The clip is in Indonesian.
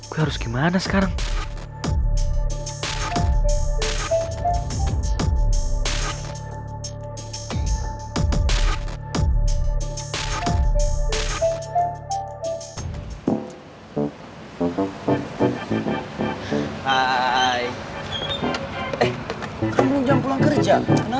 eh kamu jam pulang kerja kenapa